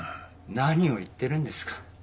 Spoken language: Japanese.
何を言ってるんですか？